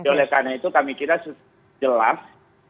oleh karena itu kami kira jelas